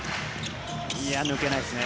抜けないですね。